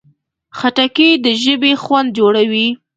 خټکی د ژبې خوند جوړوي.